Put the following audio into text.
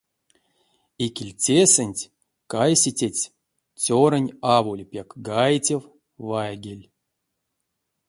Икельцесэнть кайсететсь цёрань аволь пек гайтев вайгель.